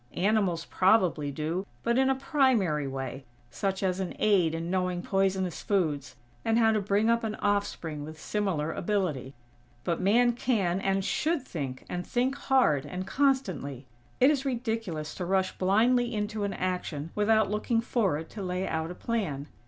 Animals probably do, but in a primary way, such as an aid in knowing poisonous foods, and how to bring up an offspring with similar ability. But Man can, and should think, and think hard and constantly. It is ridiculous to rush blindly into an action without looking forward to lay out a plan.